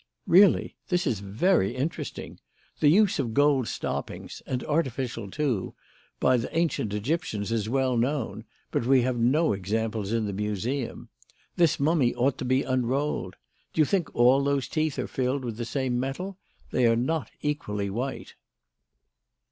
"Really! This is very interesting. The use of gold stoppings and artificial teeth, too by the ancient Egyptians is well known, but we have no examples in the Museum. This mummy ought to be unrolled. Do you think all those teeth are filled with the same metal? They are not equally white."